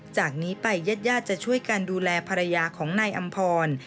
จากนี้ไปญาติญาติจะช่วยกันดูแลภรรยาของนายอำพร